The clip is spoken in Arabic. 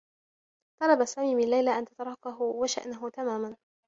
طلب سامي من ليلى أن تتركه و شأنه تماما.